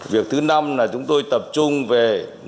việc thứ năm là chúng tôi tập trung về